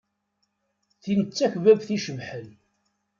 Tin d takbabt icebḥen.